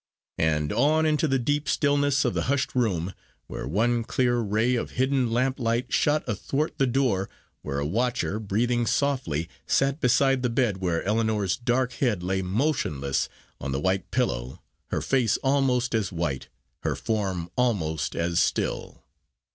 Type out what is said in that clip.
And on into the deep stillness of the hushed room, where one clear ray of hidden lamp light shot athwart the door, where a watcher, breathing softly, sat beside the bed where Ellinor's dark head lay motionless on the white pillow, her face almost as white, her form almost as still.